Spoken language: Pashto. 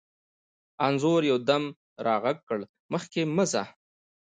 انځور یو دم را غږ کړ: مخکې مه ځه.